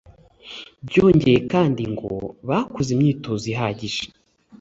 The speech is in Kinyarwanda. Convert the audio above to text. byongeye kandi ngo bakoze n’imyitozo ihagije